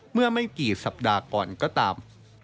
เมื่อไม่กี่สัปดาห์ก่อนก็ตาม